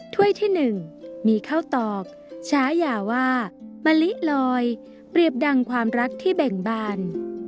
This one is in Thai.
ถ้วยที่๑มีข้าวตอกชายาว่ามะลิลอยเปรียบดังความรักที่เบ่งบาน